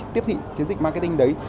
tiếp thị chiến dịch marketing đấy